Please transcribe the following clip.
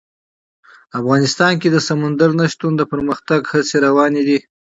افغانستان کې د سمندر نه شتون د پرمختګ هڅې روانې دي.